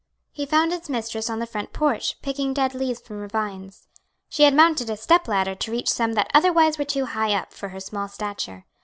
He found its mistress on the front porch, picking dead leaves from her vines. She had mounted a step ladder to reach some that otherwise were too high up for her small stature.